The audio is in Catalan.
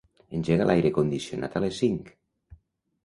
Engega l'aire condicionat a les cinc.